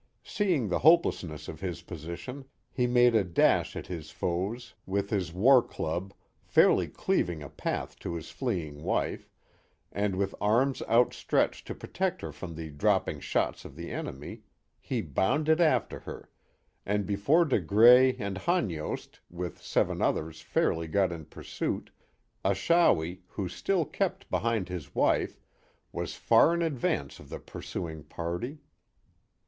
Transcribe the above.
Seeing the hopeless ness of his position, he made a dash at his foes with his I lo The Mohawk Valley war club» fairly cleaving a path to his fleeing wife, and arms outstretched to protect her from the dropping shots of the enemy, he bounded after her, and before De Grais and Han yost, with seven others fairly got in pursuit, Achawi, who still kept behind his wife, was far in advance of the pursuing party.